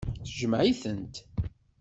Tjmeɛ-itent.